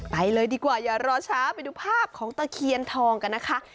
ไปเลยดีกว่าอย่ารอช้าไปดูภาพของตะเคียนทองกันนะคะ